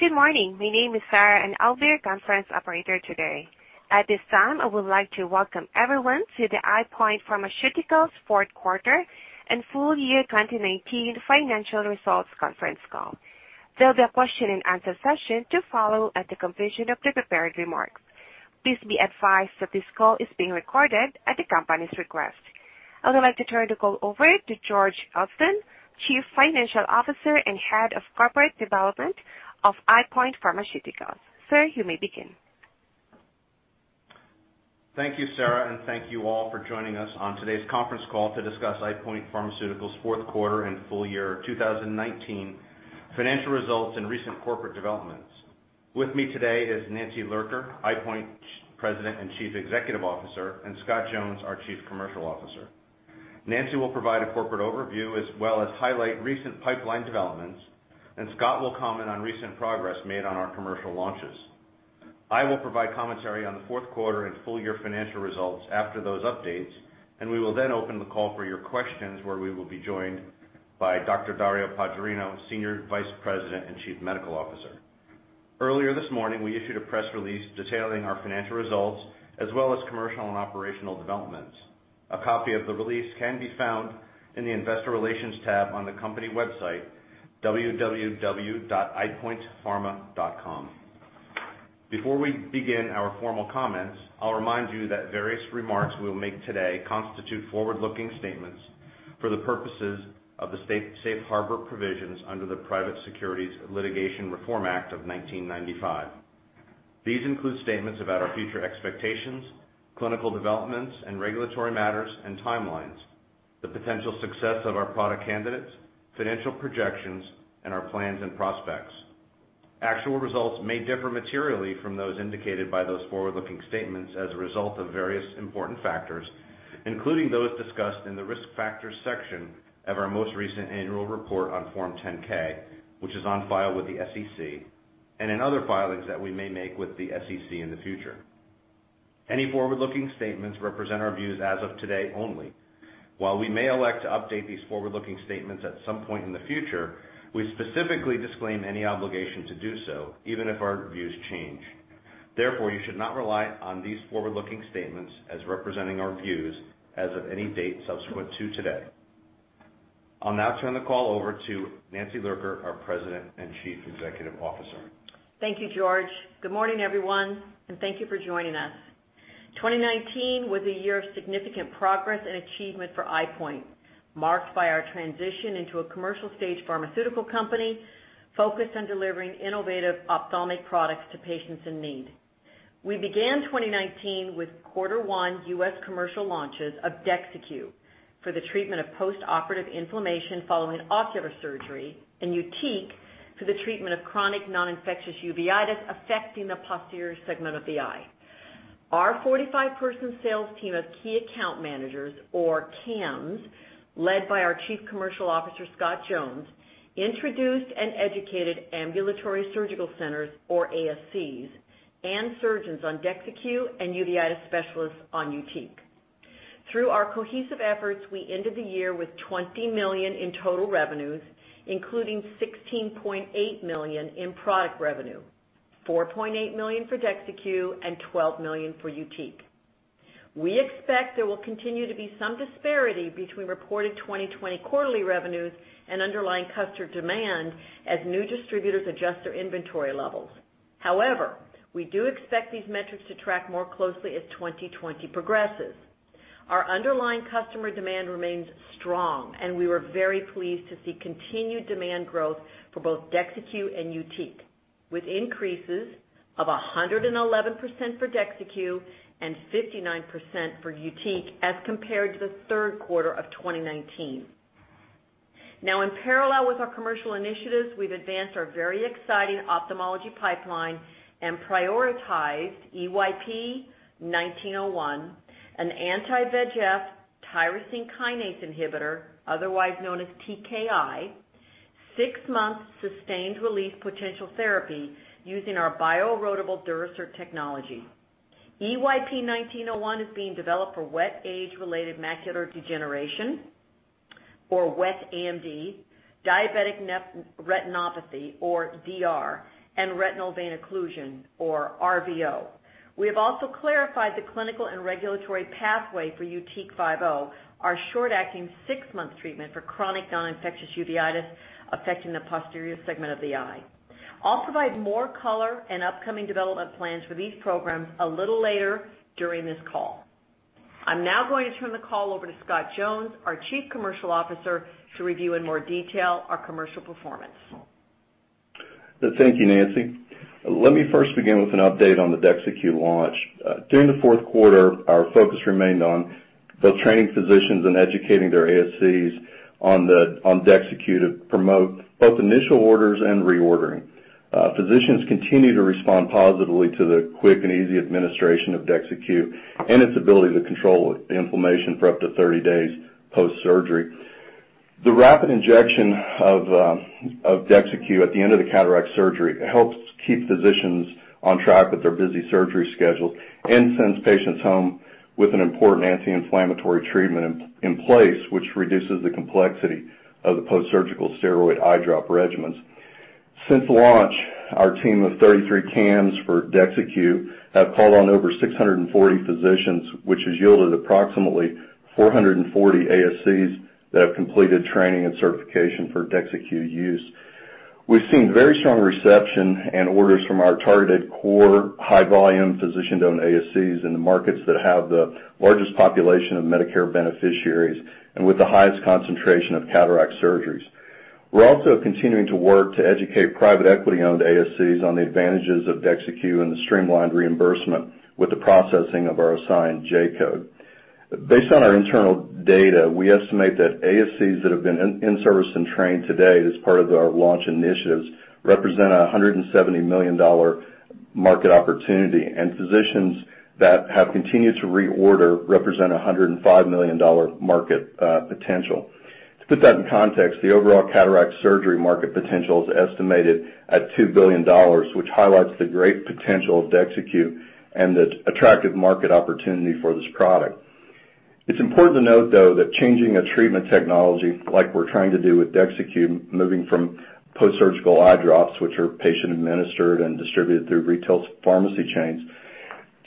Good morning. My name is Sarah, and I'll be your conference operator today. At this time, I would like to welcome everyone to the EyePoint Pharmaceuticals Q4 and full year 2019 financial results conference call. There'll be a question and answer session to follow at the completion of the prepared remarks. Please be advised that this call is being recorded at the company's request. I would like to turn the call over to George Elston, Chief Financial Officer and Head of Corporate Development of EyePoint Pharmaceuticals. Sir, you may begin. Thank you, Sarah, and thank you all for joining us on today's conference call to discuss EyePoint Pharmaceuticals' Q4 and full year 2019 financial results and recent corporate developments. With me today is Nancy Lurker, EyePoint President and Chief Executive Officer, and Scott Jones, our Chief Commercial Officer. Nancy will provide a corporate overview as well as highlight recent pipeline developments, and Scott will comment on recent progress made on our commercial launches. I will provide commentary on the Q4 and full-year financial results after those updates, and we will then open the call for your questions, where we will be joined by Dr. Dario Paggiarino, Senior Vice President and Chief Medical Officer. Earlier this morning, we issued a press release detailing our financial results as well as commercial and operational developments. A copy of the release can be found in the investor relations tab on the company website, www.eyepointpharma.com. Before we begin our formal comments, I'll remind you that various remarks we'll make today constitute forward-looking statements for the purposes of the safe harbor provisions under the Private Securities Litigation Reform Act of 1995. These include statements about our future expectations, clinical developments, and regulatory matters and timelines, the potential success of our product candidates, financial projections, and our plans and prospects. Actual results may differ materially from those indicated by those forward-looking statements as a result of various important factors, including those discussed in the Risk Factors section of our most recent annual report on Form 10-K, which is on file with the SEC, and in other filings that we may make with the SEC in the future. Any forward-looking statements represent our views as of today only. While we may elect to update these forward-looking statements at some point in the future, we specifically disclaim any obligation to do so, even if our views change. Therefore, you should not rely on these forward-looking statements as representing our views as of any date subsequent to today. I'll now turn the call over to Nancy Lurker, our President and Chief Executive Officer. Thank you, George. Good morning, everyone, and thank you for joining us. 2019 was a year of significant progress and achievement for EyePoint, marked by our transition into a commercial-stage pharmaceutical company focused on delivering innovative ophthalmic products to patients in need. We began 2019 with Q1 U.S. commercial launches of DEXYCU for the treatment of postoperative inflammation following ocular surgery and YUTIQ for the treatment of chronic non-infectious uveitis affecting the posterior segment of the eye. Our 45-person sales team of key account managers, or KAMs, led by our Chief Commercial Officer, Scott Jones, introduced and educated ambulatory surgical centers, or ASCs, and surgeons on DEXYCU and uveitis specialists on YUTIQ. Through our cohesive efforts, we ended the year with $20 million in total revenues, including $16.8 million in product revenue, $4.8 million for DEXYCU, and $12 million for YUTIQ. We expect there will continue to be some disparity between reported 2020 quarterly revenues and underlying customer demand as new distributors adjust their inventory levels. However, we do expect these metrics to track more closely as 2020 progresses. Our underlying customer demand remains strong, and we were very pleased to see continued demand growth for both DEXYCU and YUTIQ, with increases of 111% for DEXYCU and 59% for YUTIQ as compared to the Q3 of 2019. Now, in parallel with our commercial initiatives, we've advanced our very exciting ophthalmology pipeline and prioritized EYP-1901, an anti-VEGF tyrosine kinase inhibitor, otherwise known as TKI, six-month sustained release potential therapy using our bio-erodible Durasert technology. EYP-1901 is being developed for wet age-related macular degeneration, or wet AMD, diabetic retinopathy, or DR, and retinal vein occlusion, or RVO. We have also clarified the clinical and regulatory pathway for YUTIQ 50, our short-acting six-month treatment for chronic non-infectious uveitis affecting the posterior segment of the eye. I'll provide more color and upcoming development plans for these programs a little later during this call. I'm now going to turn the call over to Scott Jones, our Chief Commercial Officer, to review in more detail our commercial performance. Thank you, Nancy. Let me first begin with an update on the DEXYCU launch. During the fourth quarter, our focus remained on both training physicians and educating their ASCs on DEXYCU to promote both initial orders and reordering. Physicians continue to respond positively to the quick and easy administration of DEXYCU and its ability to control inflammation for up to 30 days post-surgery. The rapid injection of DEXYCU at the end of the cataract surgery helps keep physicians on track with their busy surgery schedules and sends patients home with an important anti-inflammatory treatment in place, which reduces the complexity of the post-surgical steroid eye drop regimens. Since launch, our team of 33 KAMs for DEXYCU have called on over 640 physicians, which has yielded approximately 440 ASCs that have completed training and certification for DEXYCU use. We've seen very strong reception and orders from our targeted core high-volume physician-owned ASCs in the markets that have the largest population of Medicare beneficiaries and with the highest concentration of cataract surgeries. We're also continuing to work to educate private equity-owned ASCs on the advantages of DEXYCU and the streamlined reimbursement with the processing of our assigned J code. Based on our internal data, we estimate that ASCs that have been in service and trained today as part of our launch initiatives represent a $170 million market opportunity, and physicians that have continued to reorder represent a $105 million market potential. To put that in context, the overall cataract surgery market potential is estimated at $2 billion, which highlights the great potential of DEXYCU and the attractive market opportunity for this product. It's important to note, though, that changing a treatment technology like we're trying to do with DEXYCU, moving from post-surgical eye drops, which are patient administered and distributed through retail pharmacy chains,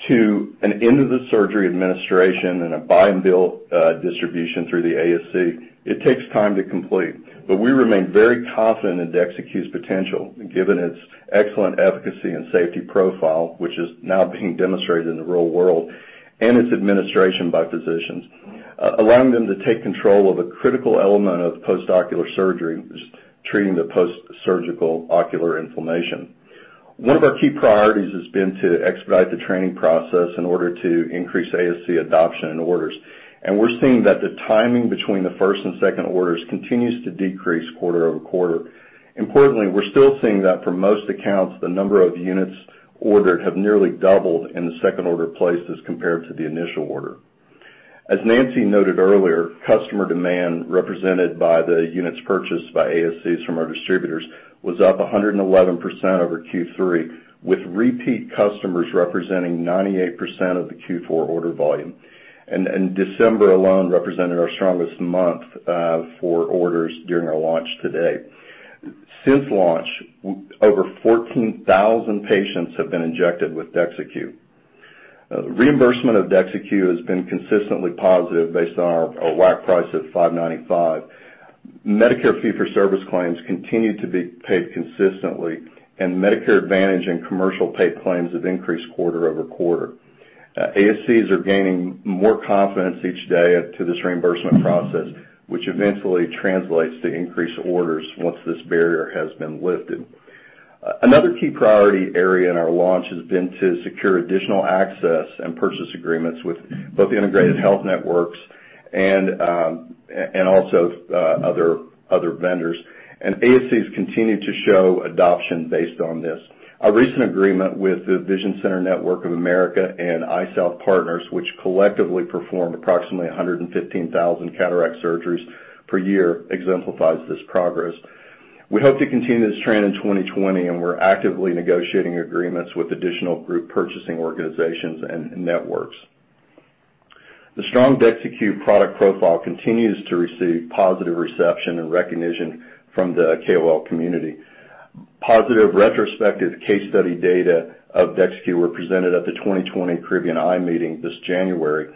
to an end-of-the-surgery administration and a buy and bill distribution through the ASC, it takes time to complete. We remain very confident in DEXYCU's potential, given its excellent efficacy and safety profile, which is now being demonstrated in the real world, and its administration by physicians, allowing them to take control of a critical element of post-ocular surgery, which is treating the post-surgical ocular inflammation. One of our key priorities has been to expedite the training process in order to increase ASC adoption and orders. We're seeing that the timing between the first and second orders continues to decrease quarter-over-quarter. Importantly, we're still seeing that for most accounts, the number of units ordered have nearly doubled in the second order placed as compared to the initial order. As Nancy noted earlier, customer demand represented by the units purchased by ASCs from our distributors was up 111% over Q3, with repeat customers representing 98% of the Q4 order volume. December alone represented our strongest month for orders during our launch to date. Since launch, over 14,000 patients have been injected with DEXYCU. Reimbursement of DEXYCU has been consistently positive based on our WAC price at $595. Medicare fee-for-service claims continue to be paid consistently, and Medicare Advantage and commercial paid claims have increased quarter-over-quarter. ASCs are gaining more confidence each day to this reimbursement process, which eventually translates to increased orders once this barrier has been lifted. Another key priority area in our launch has been to secure additional access and purchase agreements with both integrated health networks and also other vendors. ASCs continue to show adoption based on this. A recent agreement with the Vision Center Network of America and EyeSouth Partners, which collectively perform approximately 115,000 cataract surgeries per year, exemplifies this progress. We hope to continue this trend in 2020, and we're actively negotiating agreements with additional group purchasing organizations and networks. The strong DEXYCU product profile continues to receive positive reception and recognition from the KOL community. Positive retrospective case study data of DEXYCU were presented at the 2020 Caribbean Eye Meeting this January.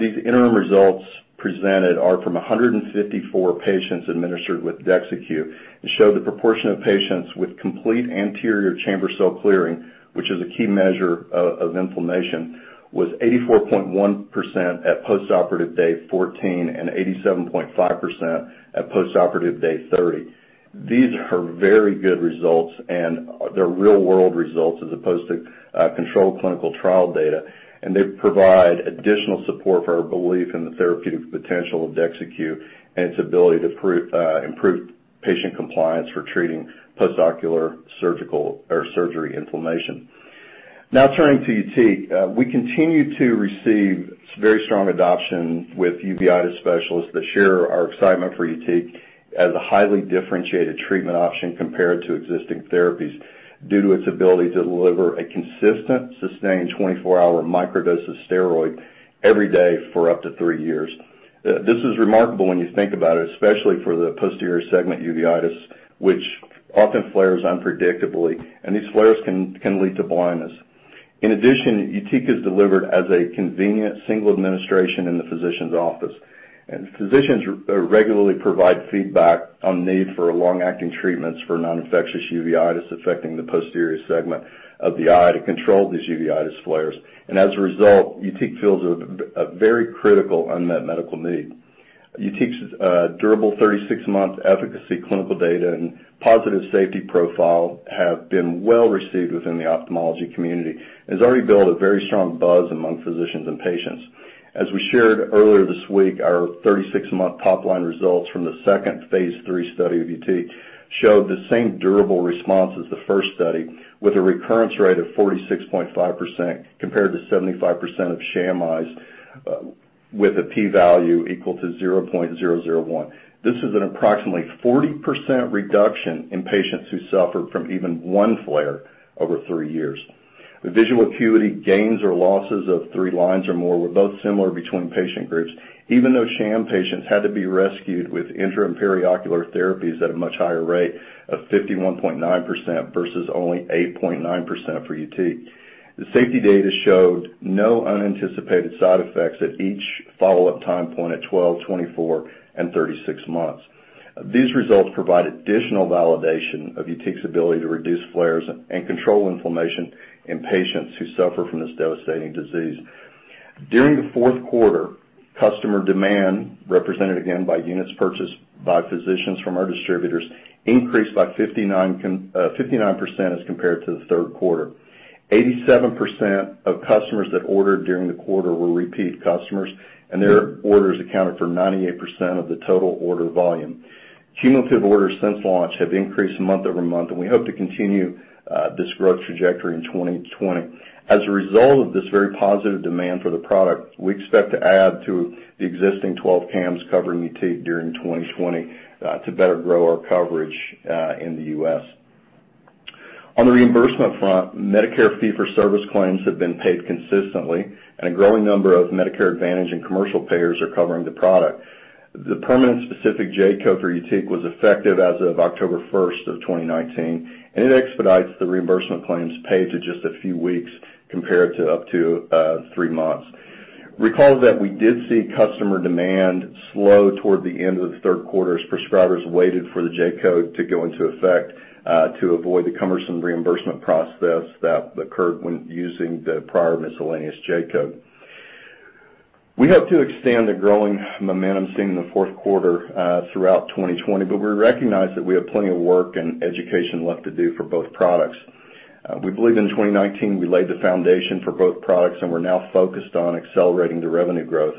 These interim results presented are from 154 patients administered with DEXYCU and show the proportion of patients with complete anterior chamber cell clearing, which is a key measure of inflammation, was 84.1% at postoperative day 14 and 87.5% at postoperative day 30. These are very good results. They're real-world results as opposed to controlled clinical trial data. They provide additional support for our belief in the therapeutic potential of DEXYCU and its ability to improve patient compliance for treating post-ocular surgical or surgery inflammation. Turning to YUTIQ. We continue to receive very strong adoption with uveitis specialists that share our excitement for YUTIQ as a highly differentiated treatment option compared to existing therapies due to its ability to deliver a consistent, sustained 24-hour microdose of steroid every day for up to three years. This is remarkable when you think about it, especially for the posterior segment uveitis, which often flares unpredictably, and these flares can lead to blindness. In addition, YUTIQ is delivered as a convenient single administration in the physician's office, and physicians regularly provide feedback on need for long-acting treatments for non-infectious uveitis affecting the posterior segment of the eye to control these uveitis flares. As a result, YUTIQ fills a very critical unmet medical need. YUTIQ's durable 36-month efficacy clinical data and positive safety profile have been well received within the ophthalmology community and has already built a very strong buzz among physicians and patients. As we shared earlier this week, our 36-month top-line results from the second phase III study of YUTIQ showed the same durable response as the first study, with a recurrence rate of 46.5% compared to 75% of sham eyes with a P value equal to 0.001. This is an approximately 40% reduction in patients who suffered from even one flare over three years. The visual acuity gains or losses of three lines or more were both similar between patient groups, even though sham patients had to be rescued with intra and periocular therapies at a much higher rate of 51.9% versus only 8.9% for YUTIQ. The safety data showed no unanticipated side effects at each follow-up time point at 12, 24, and 36 months. These results provide additional validation of YUTIQ's ability to reduce flares and control inflammation in patients who suffer from this devastating disease. During the Q4, customer demand, represented again by units purchased by physicians from our distributors, increased by 59% as compared to the third quarter. 87% of customers that ordered during the quarter were repeat customers, and their orders accounted for 98% of the total order volume. Cumulative orders since launch have increased month-over-month, and we hope to continue this growth trajectory in 2020. As a result of this very positive demand for the product, we expect to add to the existing 12 KAMs covering YUTIQ during 2020 to better grow our coverage in the U.S. On the reimbursement front, Medicare fee-for-service claims have been paid consistently, and a growing number of Medicare Advantage and commercial payers are covering the product. The permanent specific J-code for YUTIQ was effective as of October 1st of 2019. It expedites the reimbursement claims paid to just a few weeks compared to up to three months. Recall that we did see customer demand slow toward the end of the Q3 as prescribers waited for the J-code to go into effect to avoid the cumbersome reimbursement process that occurred when using the prior miscellaneous J-code. We hope to extend the growing momentum seen in the Q4 throughout 2020. We recognize that we have plenty of work and education left to do for both products. We believe in 2019, we laid the foundation for both products. We're now focused on accelerating the revenue growth.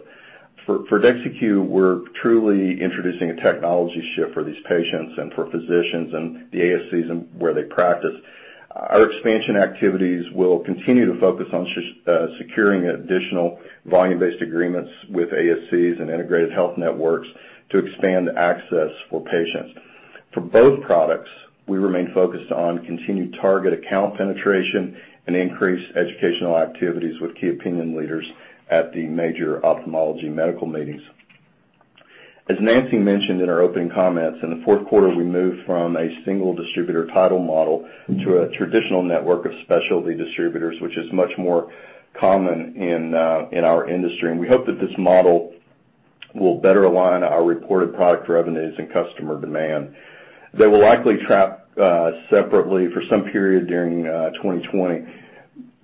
For DEXYCU, we're truly introducing a technology shift for these patients and for physicians and the ASCs and where they practice. Our expansion activities will continue to focus on securing additional volume-based agreements with ASCs and integrated health networks to expand access for patients. For both products, we remain focused on continued target account penetration and increased educational activities with key opinion leaders at the major ophthalmology medical meetings. As Nancy mentioned in our opening comments, in the Q4, we moved from a single distributor title model to a traditional network of specialty distributors, which is much more common in our industry. We hope that this model will better align our reported product revenues and customer demand. They will likely trap separately for some period during 2020.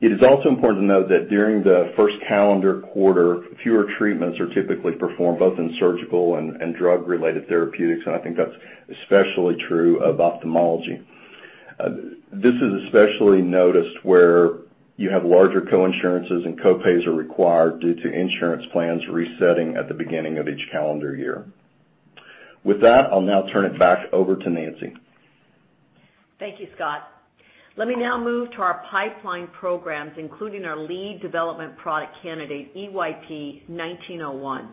It is also important to note that during the first calendar quarter, fewer treatments are typically performed both in surgical and drug-related therapeutics. I think that's especially true of ophthalmology. This is especially noticed where you have larger co-insurances and co-pays are required due to insurance plans resetting at the beginning of each calendar year. With that, I'll now turn it back over to Nancy. Thank you, Scott. Let me now move to our pipeline programs, including our lead development product candidate, EYP-1901,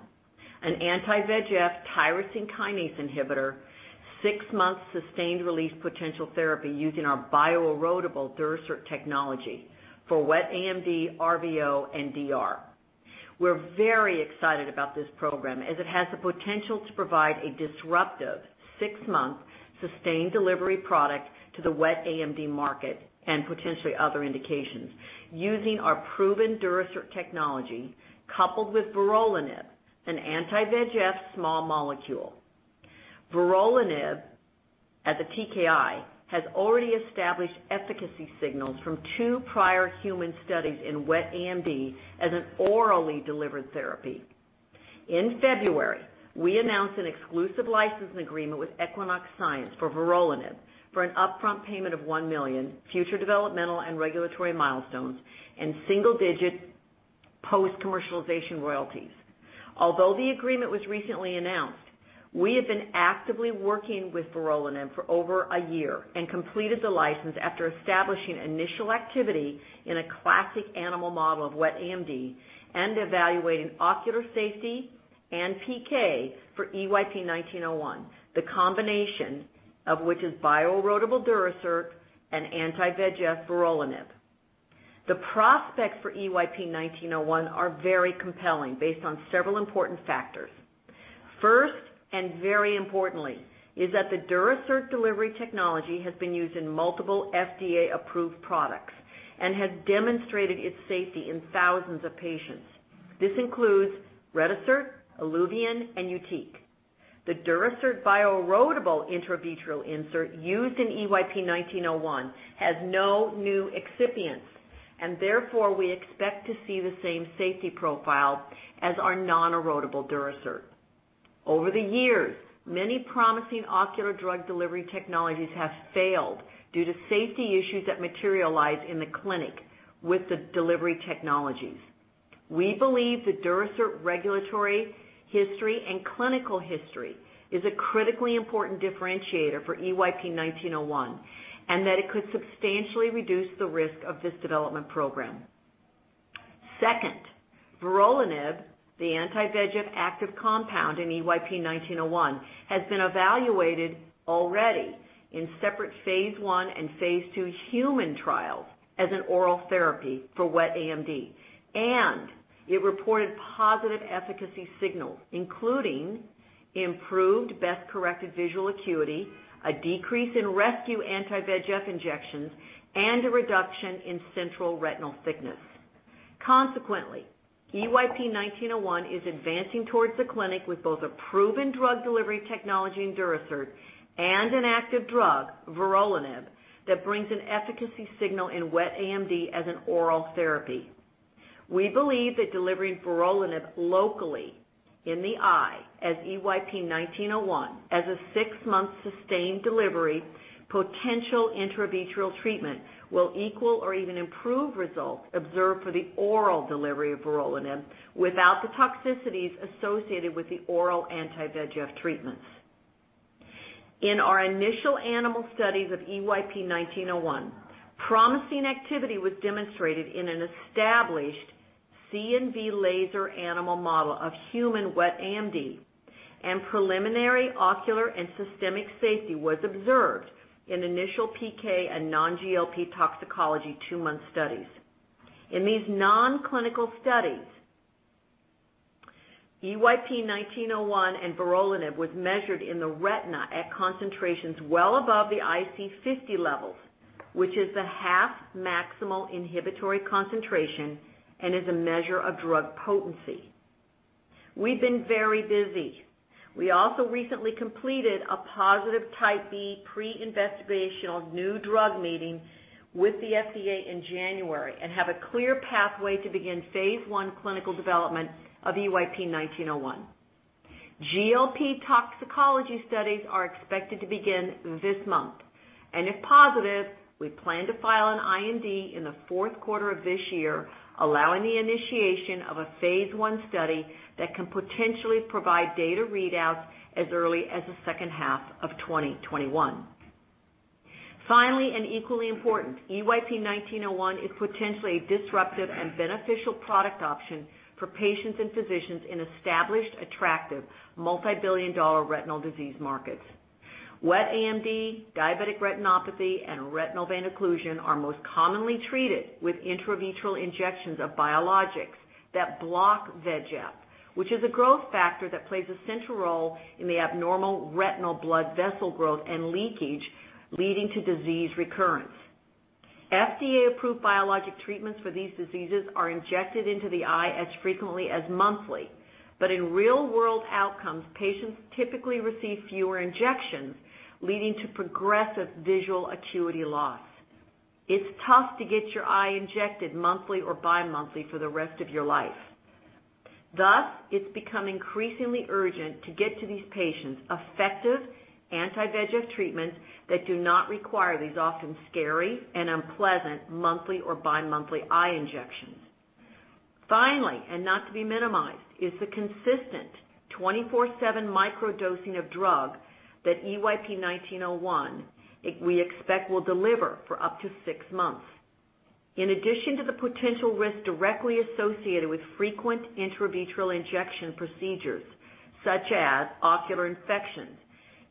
an anti-VEGF tyrosine kinase inhibitor, six months sustained release potential therapy using our bio-erodible Durasert technology for wet AMD, RVO, and DR. We're very excited about this program as it has the potential to provide a disruptive six-month sustained delivery product to the wet AMD market and potentially other indications using our proven Durasert technology coupled with vorolanib, an anti-VEGF small molecule. Vorolanib as a TKI has already established efficacy signals from two prior human studies in wet AMD as an orally delivered therapy. In February, we announced an exclusive licensing agreement with Equinox Science for vorolanib for an upfront payment of $1 million, future developmental and regulatory milestones, and single-digit post-commercialization royalties. Although the agreement was recently announced, we have been actively working with vorolanib for over a year and completed the license after establishing initial activity in a classic animal model of wet AMD and evaluating ocular safety and PK for EYP-1901, the combination of which is bio-erodible Durasert and anti-VEGF vorolanib. The prospects for EYP-1901 are very compelling based on several important factors. First, and very importantly, is that the Durasert delivery technology has been used in multiple FDA-approved products and has demonstrated its safety in thousands of patients. This includes Retisert, ILUVIEN, and YUTIQ. The Durasert bio-erodible intravitreal insert used in EYP-1901 has no new excipients, and therefore, we expect to see the same safety profile as our non-erodible Durasert. Over the years, many promising ocular drug delivery technologies have failed due to safety issues that materialize in the clinic with the delivery technologies. We believe the Durasert regulatory history and clinical history is a critically important differentiator for EYP-1901, and that it could substantially reduce the risk of this development program. Second, vorolanib, the anti-VEGF active compound in EYP-1901, has been evaluated already in separate phase I and phase II human trials as an oral therapy for wet AMD, and it reported positive efficacy signals, including improved best corrective visual acuity, a decrease in rescue anti-VEGF injections, and a reduction in central retinal thickness. Consequently, EYP-1901 is advancing towards the clinic with both a proven drug delivery technology in Durasert and an active drug, vorolanib, that brings an efficacy signal in wet AMD as an oral therapy. We believe that delivering vorolanib locally in the eye as EYP-1901 as a six-month sustained delivery potential intravitreal treatment will equal or even improve results observed for the oral delivery of vorolanib without the toxicities associated with the oral anti-VEGF treatments. In our initial animal studies of EYP-1901, promising activity was demonstrated in an established CNV laser animal model of human wet AMD, and preliminary ocular and systemic safety was observed in initial PK and non-GLP toxicology two-month studies. In these non-clinical studies, EYP-1901 and vorolanib was measured in the retina at concentrations well above the IC50 levels, which is the half maximal inhibitory concentration and is a measure of drug potency. We've been very busy. We also recently completed a positive type B pre-investigational new drug meeting with the FDA in January and have a clear pathway to begin phase I clinical development of EYP-1901. GLP toxicology studies are expected to begin this month, and if positive, we plan to file an IND in the Q4 of this year, allowing the initiation of a phase I study that can potentially provide data readouts as early as the second half of 2021. Finally, and equally important, EYP-1901 is potentially a disruptive and beneficial product option for patients and physicians in established, attractive, multi-billion-dollar retinal disease markets. wet AMD, diabetic retinopathy, and retinal vein occlusion are most commonly treated with intravitreal injections of biologics that block VEGF, which is a growth factor that plays a central role in the abnormal retinal blood vessel growth and leakage, leading to disease recurrence. FDA-approved biologic treatments for these diseases are injected into the eye as frequently as monthly. In real-world outcomes, patients typically receive fewer injections, leading to progressive visual acuity loss. It's tough to get your eye injected monthly or bimonthly for the rest of your life. Thus, it's become increasingly urgent to get to these patients effective anti-VEGF treatments that do not require these often scary and unpleasant monthly or bimonthly eye injections. Finally, and not to be minimized, is the consistent 24/7 microdosing of drug that EYP-1901, we expect will deliver for up to six months. In addition to the potential risk directly associated with frequent intravitreal injection procedures, such as ocular infections,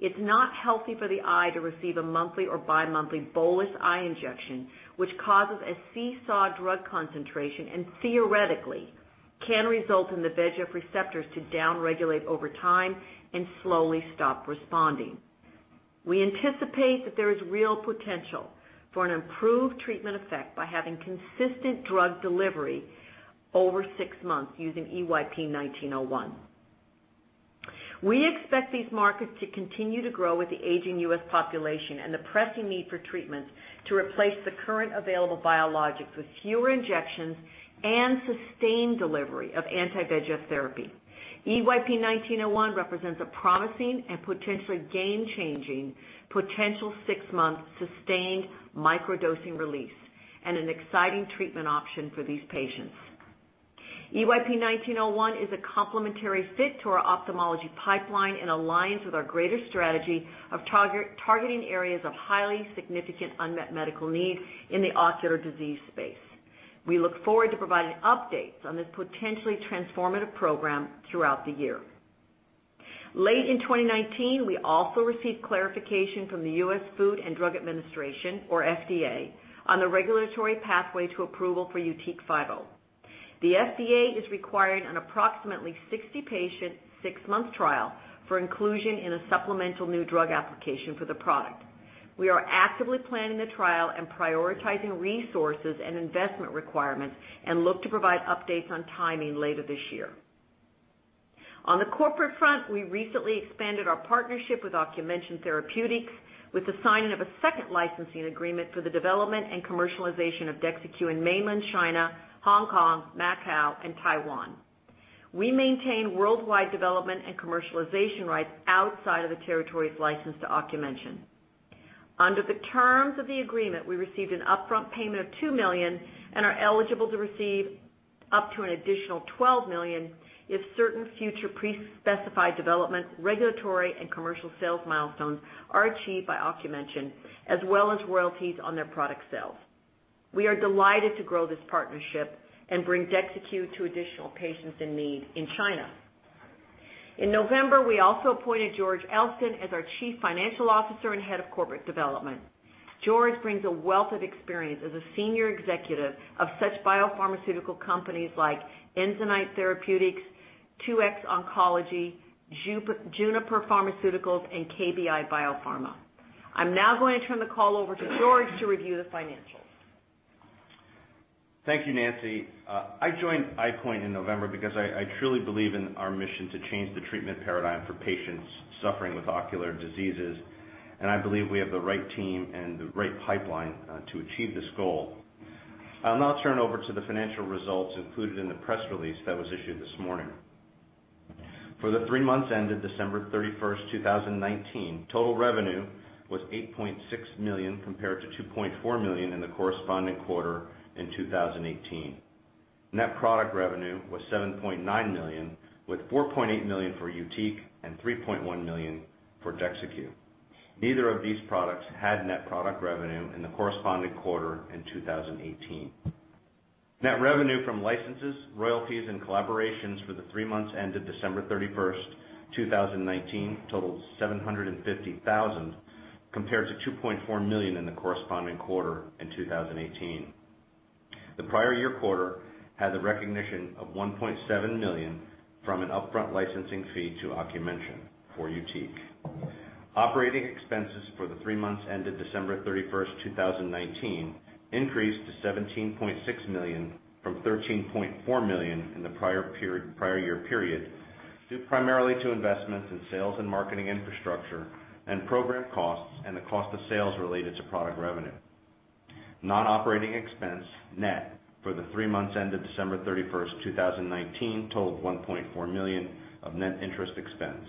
it's not healthy for the eye to receive a monthly or bimonthly bolus eye injection, which causes a seesaw drug concentration and theoretically can result in the VEGF receptors to downregulate over time and slowly stop responding. We anticipate that there is real potential for an improved treatment effect by having consistent drug delivery over six months using EYP-1901. We expect these markets to continue to grow with the aging U.S. population and the pressing need for treatments to replace the current available biologics with fewer injections and sustained delivery of anti-VEGF therapy. EYP-1901 represents a promising and potentially game-changing potential six-month sustained microdosing release and an exciting treatment option for these patients. EYP-1901 is a complementary fit to our ophthalmology pipeline and aligns with our greater strategy of targeting areas of highly significant unmet medical needs in the ocular disease space. We look forward to providing updates on this potentially transformative program throughout the year. Late in 2019, we also received clarification from the U.S. Food and Drug Administration, or FDA, on the regulatory pathway to approval for YUTIQ 50. The FDA is requiring an approximately 60-patient, six-month trial for inclusion in a supplemental new drug application for the product. We are actively planning the trial and prioritizing resources and investment requirements and look to provide updates on timing later this year. On the corporate front, we recently expanded our partnership with Ocumension Therapeutics with the signing of a second licensing agreement for the development and commercialization of DEXYCU in Mainland China, Hong Kong, Macau, and Taiwan. We maintain worldwide development and commercialization rights outside of the territories licensed to Ocumension. Under the terms of the agreement, we received an upfront payment of $2 million and are eligible to receive up to an additional $12 million if certain future pre-specified development, regulatory, and commercial sales milestones are achieved by Ocumension, as well as royalties on their product sales. We are delighted to grow this partnership and bring DEXYCU to additional patients in need in China. In November, we also appointed George Elston as our Chief Financial Officer and Head of Corporate Development. George brings a wealth of experience as a senior executive of such biopharmaceutical companies like Enzyvant Therapeutics, 2X Oncology, Juniper Pharmaceuticals, and KBI Biopharma. I'm now going to turn the call over to George to review the financials. Thank you, Nancy. I joined EyePoint in November because I truly believe in our mission to change the treatment paradigm for patients suffering with ocular diseases, and I believe we have the right team and the right pipeline to achieve this goal. I'll now turn over to the financial results included in the press release that was issued this morning. For the three months ended December 31st, 2019, total revenue was $8.6 million compared to $2.4 million in the corresponding quarter in 2018. Net product revenue was $7.9 million, with $4.8 million for YUTIQ and $3.1 million for DEXYCU. Neither of these products had net product revenue in the corresponding quarter in 2018. Net revenue from licenses, royalties, and collaborations for the three months ended December 31st, 2019 totaled $750,000 compared to $2.4 million in the corresponding quarter in 2018. The prior year quarter had the recognition of $1.7 million from an upfront licensing fee to Ocumension for YUTIQ. Operating expenses for the three months ended December 31st, 2019 increased to $17.6 million from $13.4 million in the prior year period, due primarily to investments in sales and marketing infrastructure and program costs and the cost of sales related to product revenue. Non-operating expense net for the three months ended December 31st, 2019 totaled $1.4 million of net interest expense.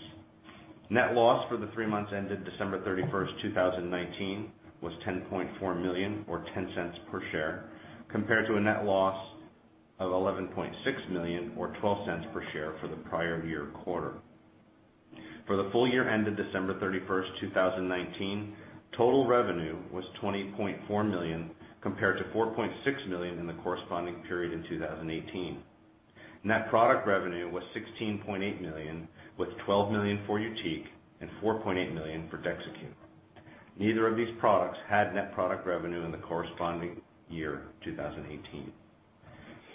Net loss for the three months ended December 31st, 2019 was $10.4 million, or $0.10 per share, compared to a net loss of $11.6 million or $0.12 per share for the prior year quarter. For the full year ended December 31st, 2019, total revenue was $20.4 million compared to $4.6 million in the corresponding period in 2018. Net product revenue was $16.8 million, with $12 million for YUTIQ and $4.8 million for DEXYCU. Neither of these products had net product revenue in the corresponding year, 2018.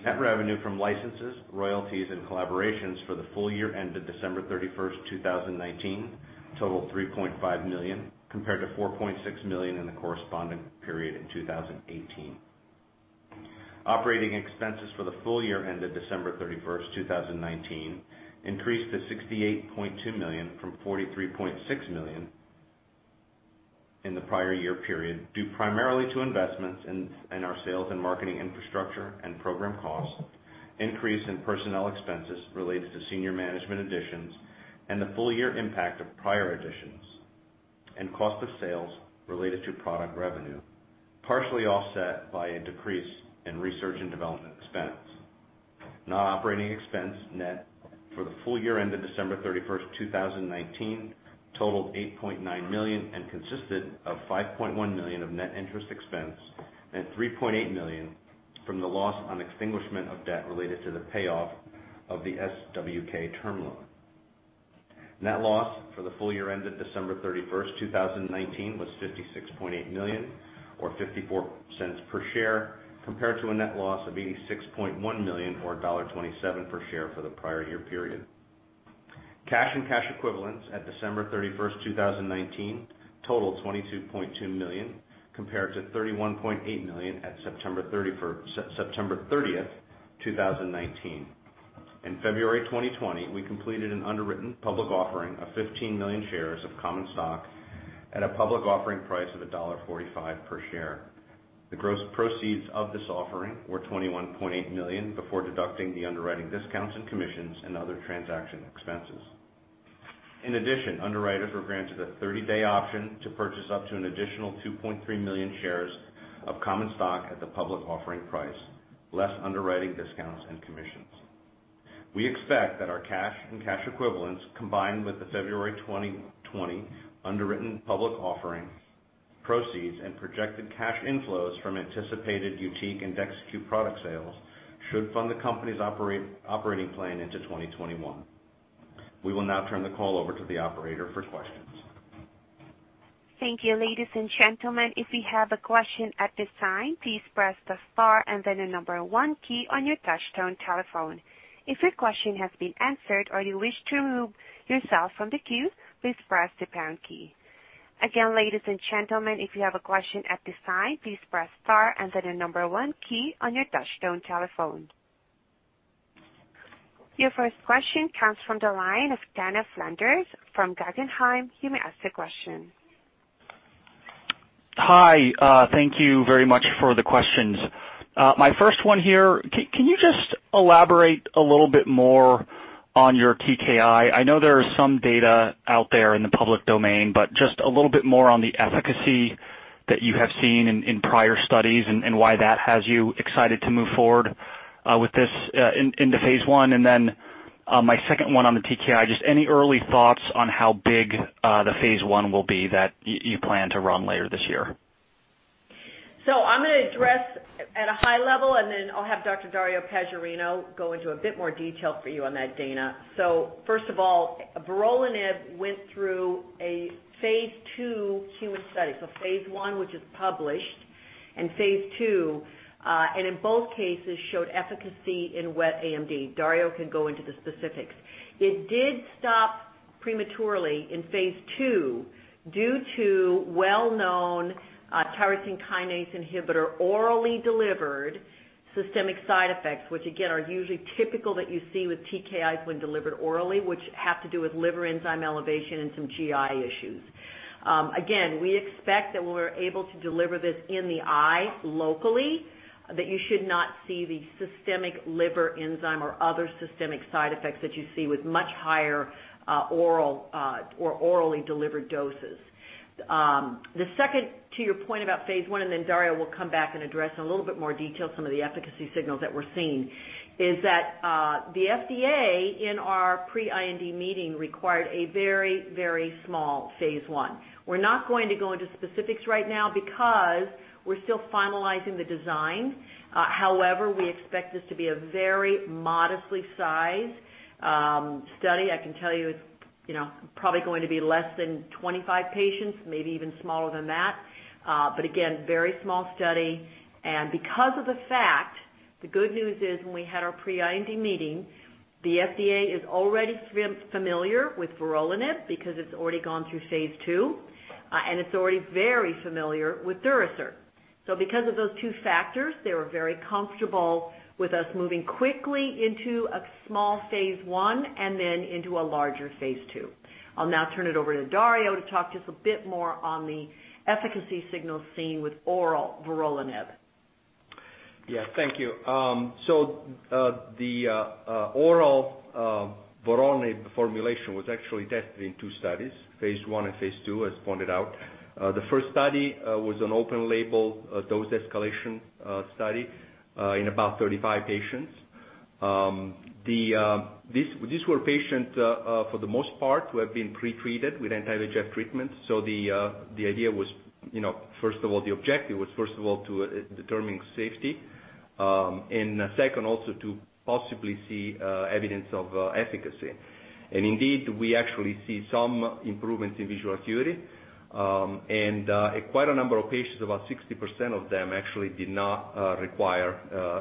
Net revenue from licenses, royalties, and collaborations for the full year ended December 31st, 2019 totaled $3.5 million, compared to $4.6 million in the corresponding period in 2018. Operating expenses for the full year ended December 31st, 2019 increased to $68.2 million from $43.6 million in the prior year period, due primarily to investments in our sales and marketing infrastructure and program costs, increase in personnel expenses related to senior management additions, and the full year impact of prior additions, and cost of sales related to product revenue, partially offset by a decrease in research and development expense. Non-operating expense net for the full year ended December 31, 2019 totaled $8.9 million and consisted of $5.1 million of net interest expense and $3.8 million from the loss on extinguishment of debt related to the payoff of the SWK term loan. Net loss for the full year ended December 31, 2019 was $56.8 million, or $0.54 per share, compared to a net loss of $86.1 million or $1.27 per share for the prior year period. Cash and cash equivalents at December 31, 2019 totaled $22.2 million compared to $31.8 million at September 30, 2019. In February 2020, we completed an underwritten public offering of 15 million shares of common stock at a public offering price of $1.45 per share. The gross proceeds of this offering were $21.8 million before deducting the underwriting discounts and commissions and other transaction expenses. In addition, underwriters were granted a 30-day option to purchase up to an additional 2.3 million shares of common stock at the public offering price, less underwriting discounts and commissions. We expect that our cash and cash equivalents, combined with the February 2020 underwritten public offering proceeds and projected cash inflows from anticipated YUTIQ and DEXYCU product sales should fund the company's operating plan into 2021. We will now turn the call over to the operator for questions. Thank you, ladies and gentlemen. If you have a question at this time, please press the star and then the number one key on your touchtone telephone. If your question has been answered or you wish to remove yourself from the queue, please press the pound key. Again, ladies and gentlemen, if you have a question at this time, please press star and then the number one key on your touchtone telephone. Your first question comes from the line of Dana Flanders from Guggenheim. You may ask your question. Hi. Thank you very much for the questions. My first one here, can you just elaborate a little bit more on your TKI? I know there is some data out there in the public domain, but just a little bit more on the efficacy that you have seen in prior studies and why that has you excited to move forward with this into phase I. My second one on the TKI, just any early thoughts on how big the phase I will be that you plan to run later this year? I'm going to address at a high level, and then I'll have Dr. Dario Paggiarino go into a bit more detail for you on that, Dana. First of all, vorolanib went through a phase II human study. Phase I, which is published, and phase II, and in both cases showed efficacy in wet AMD. Dario can go into the specifics. It did stop prematurely in phase II due to well-known tyrosine kinase inhibitor orally delivered systemic side effects, which again, are usually typical that you see with TKIs when delivered orally, which have to do with liver enzyme elevation and some GI issues. We expect that when we're able to deliver this in the eye locally, that you should not see the systemic liver enzyme or other systemic side effects that you see with much higher oral or orally delivered doses. The second to your point about phase I, Dario will come back and address in a little bit more detail some of the efficacy signals that we're seeing, is that the FDA in our pre-IND meeting required a very small phase I. We're not going to go into specifics right now because we're still finalizing the design. However, we expect this to be a very modestly sized study. I can tell you it's probably going to be less than 25 patients, maybe even smaller than that. Again, very small study. Because of the fact, the good news is, when we had our pre-IND meeting, the FDA is already familiar with vorolanib because it's already gone through phase II. It's already very familiar with Durasert. Because of those two factors, they were very comfortable with us moving quickly into a small phase I and then into a larger phase II. I'll now turn it over to Dario to talk just a bit more on the efficacy signals seen with oral vorolanib. Thank you. The oral vorolanib formulation was actually tested in two studies, phase I and phase II, as pointed out. The first study was an open label, dose escalation study in about 35 patients. These were patients, for the most part, who have been pre-treated with anti-VEGF treatment. The objective was, first of all, to determine safety. Second, also to possibly see evidence of efficacy. Indeed, we actually see some improvements in visual acuity. Quite a number of patients, about 60% of them actually did not require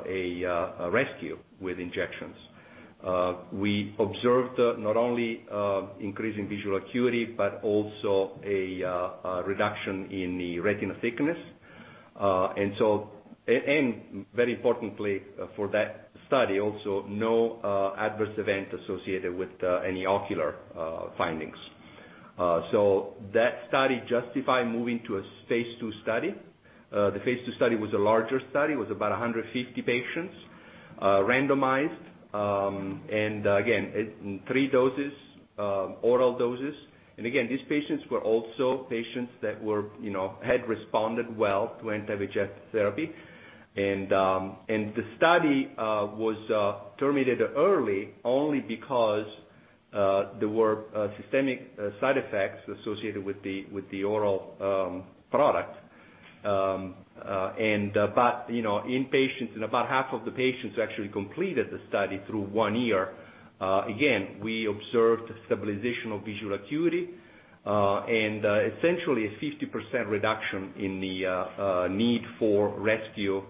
a rescue with injections. We observed not only increasing visual acuity, but also a reduction in the retina thickness. Very importantly for that study also, no adverse event associated with any ocular findings. That study justified moving to a phase II study. The phase II study was a larger study. It was about 150 patients randomized. Again, three doses, oral doses. Again, these patients were also patients that had responded well to anti-VEGF therapy. The study was terminated early only because there were systemic side effects associated with the oral product. About half of the patients actually completed the study through one year. Again, we observed stabilization of visual acuity, and essentially a 50% reduction in the need for rescue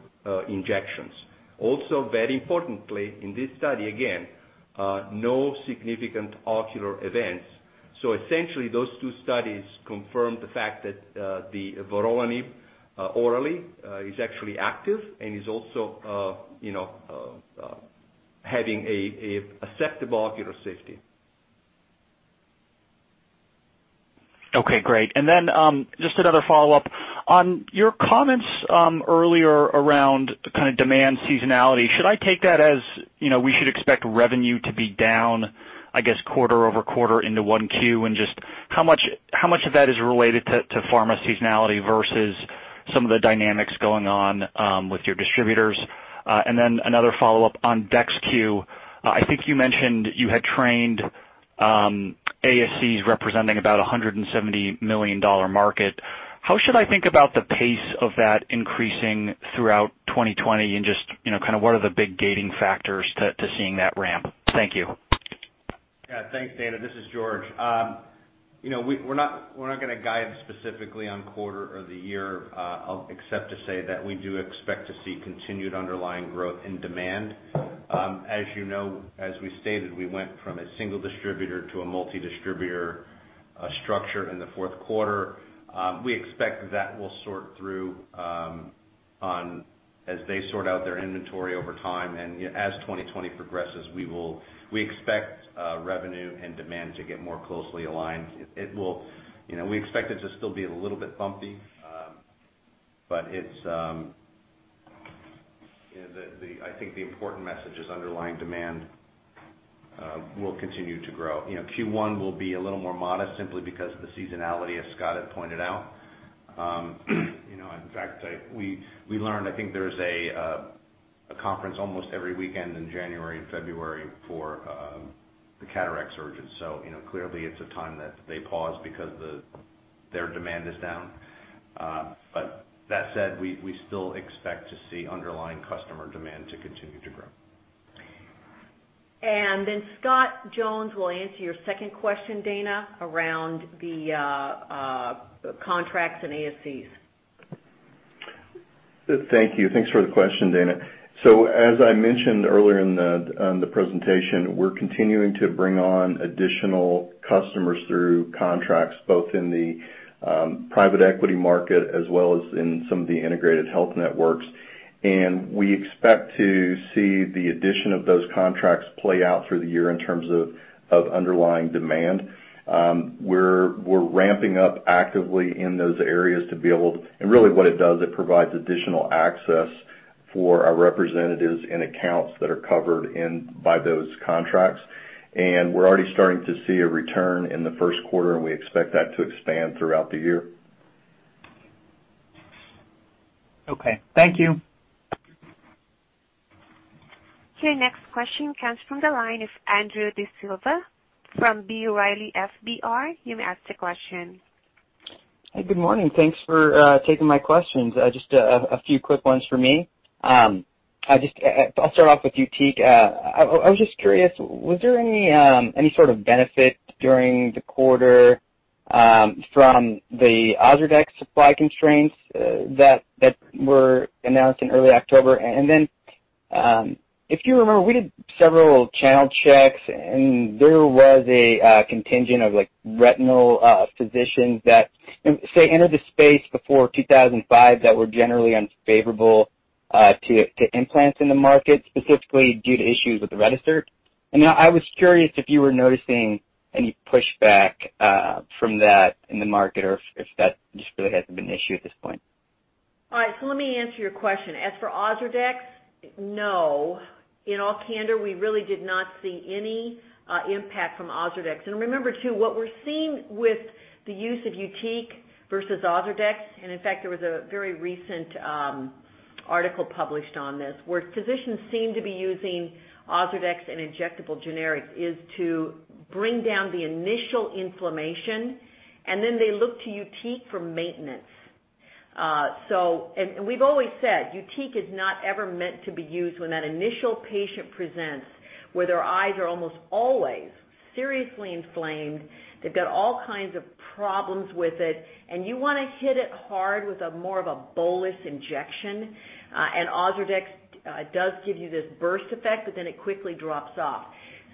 injections. Also, very importantly in this study again, no significant ocular events. Essentially, those two studies confirmed the fact that the vorolanib orally is actually active and is also having an acceptable ocular safety. Okay. Great. Just another follow-up. On your comments earlier around demand seasonality, should I take that as we should expect revenue to be down, I guess, quarter-over-quarter into 1Q? Just how much of that is related to pharma seasonality versus some of the dynamics going on with your distributors? Another follow-up on DEXYCU. I think you mentioned you had trained ASCs representing about $170 million market. How should I think about the pace of that increasing throughout 2020, and just what are the big gating factors to seeing that ramp? Thank you. Yeah. Thanks, Dana. This is George. We're not going to guide specifically on quarter or the year, except to say that we do expect to see continued underlying growth in demand. As you know, as we stated, we went from a single distributor to a multi-distributor structure in the Q4. We expect that will sort through as they sort out their inventory over time. As 2020 progresses, we expect revenue and demand to get more closely aligned. We expect it to still be a little bit bumpy. I think the important message is underlying demand will continue to grow. Q1 will be a little more modest simply because of the seasonality, as Scott had pointed out. In fact, we learned, I think there's a conference almost every weekend in January and February for the cataract surgeons. Clearly, it's a time that they pause because their demand is down. That said, we still expect to see underlying customer demand to continue to grow. Then Scott Jones will answer your second question, Dana, around the contracts and ASCs. Thank you. Thanks for the question, Dana. As I mentioned earlier on the presentation, we're continuing to bring on additional customers through contracts, both in the private equity market as well as in some of the integrated health networks. We expect to see the addition of those contracts play out through the year in terms of underlying demand. We're ramping up actively in those areas and really what it does, it provides additional access for our representatives and accounts that are covered by those contracts. We're already starting to see a return in the Q1, and we expect that to expand throughout the year. Okay. Thank you. Okay. Next question comes from the line of Andrew D'Silva from B. Riley FBR. You may ask the question. Hey, good morning. Thanks for taking my questions. Just a few quick ones for me. I'll start off with YUTIQ. I was just curious, was there any sort of benefit during the quarter from the OZURDEX supply constraints that were announced in early October? If you remember, we did several channel checks, and there was a contingent of retinal physicians that, say, entered the space before 2005 that were generally unfavorable to implants in the market, specifically due to issues with the Retisert. I was curious if you were noticing any pushback from that in the market, or if that just really hasn't been an issue at this point. All right. Let me answer your question. As for OZURDEX, no. In all candor, we really did not see any impact from OZURDEX. Remember, too, what we're seeing with the use of YUTIQ versus OZURDEX, and in fact, there was a very recent article published on this, where physicians seem to be using OZURDEX and injectable generics is to bring down the initial inflammation, and then they look to YUTIQ for maintenance. We've always said YUTIQ is not ever meant to be used when that initial patient presents, where their eyes are almost always seriously inflamed. They've got all kinds of problems with it, and you want to hit it hard with a more of a bolus injection. OZURDEX does give you this burst effect, but then it quickly drops off.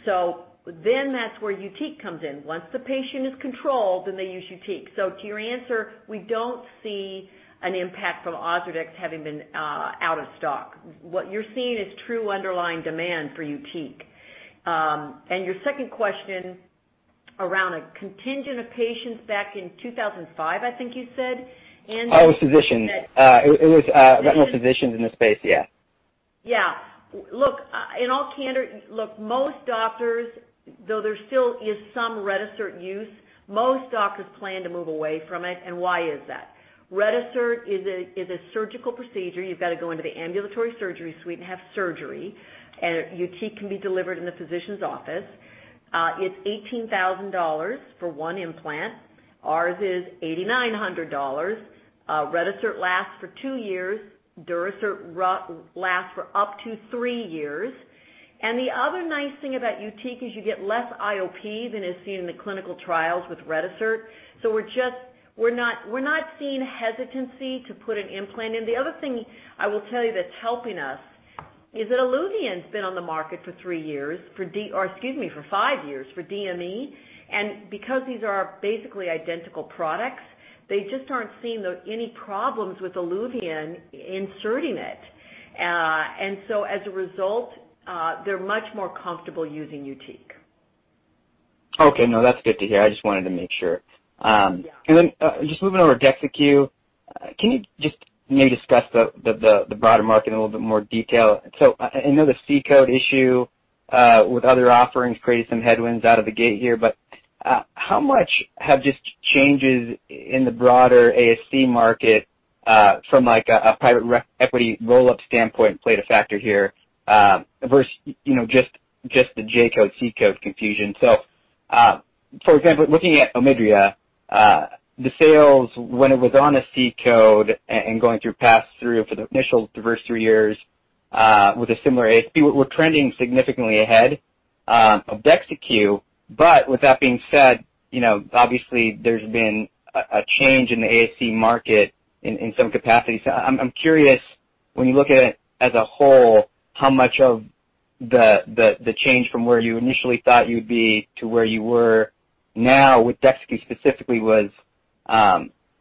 That's where YUTIQ comes in. Once the patient is controlled, then they use YUTIQ. To your answer, we don't see an impact from OZURDEX having been out of stock. What you're seeing is true underlying demand for YUTIQ. Your second question, around a contingent of patients back in 2005, I think you said, Andrew. Oh, it was physicians. It was retinal physicians in the space, yeah. Yeah. Look, in all candor, look, most doctors, though there still is some Retisert use, most doctors plan to move away from it. Why is that? Retisert is a surgical procedure. You've got to go into the ambulatory surgery suite and have surgery. YUTIQ can be delivered in the physician's office. It's $18,000 for one implant. Ours is $8,900. Retisert lasts for two years. Durasert lasts for up to three years. The other nice thing about YUTIQ is you get less IOP than is seen in the clinical trials with Retisert. We're not seeing hesitancy to put an implant in. The other thing I will tell you that's helping us is that ILUVIEN's been on the market for three years, or excuse me, for five years for DME. Because these are basically identical products, they just aren't seeing any problems with ILUVIEN inserting it. As a result, they're much more comfortable using YUTIQ. Okay. No, that's good to hear. I just wanted to make sure. Yeah. Just moving over to DEXYCU, can you just maybe discuss the broader market in a little bit more detail? I know the C code issue with other offerings created some headwinds out of the gate here. How much have just changes in the broader ASC market from a private equity roll-up standpoint played a factor here versus just the J code/C code confusion? For example, looking at OMIDRIA, the sales when it was on a C code and going through pass-through for the initial first three years with a similar ASC were trending significantly ahead of DEXYCU. With that being said, obviously, there's been a change in the ASC market in some capacity. I'm curious, when you look at it as a whole, how much of the change from where you initially thought you'd be to where you were now with DEXYCU specifically was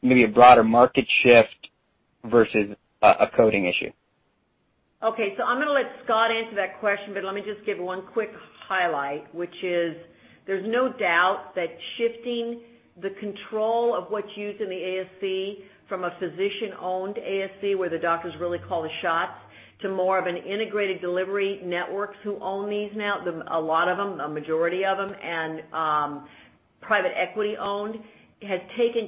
maybe a broader market shift versus a coding issue? Okay. I'm going to let Scott answer that question, but let me just give one quick highlight, which is there's no doubt that shifting the control of what's used in the ASC from a physician-owned ASC, where the doctors really call the shots, to more of an integrated delivery networks who own these now, a lot of them, a majority of them, and private equity-owned has taken